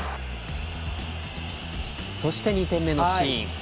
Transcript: そして２点目のシーン。